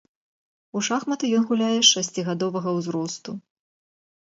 У шахматы ён гуляе з шасцігадовага ўзросту.